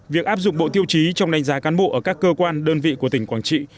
việc áp dụng bộ tiêu chí trong đánh giá cán bộ ở các cơ quan đơn vị của tỉnh quảng trị